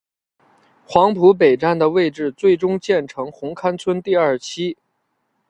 黄埔北站的位置最终建成红磡邨第二期。